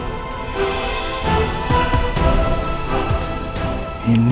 ketemu dengan nino